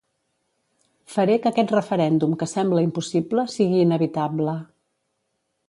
Faré que aquest referèndum que sembla impossible sigui inevitable.